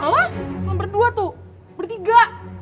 gak berdua tuh bertiga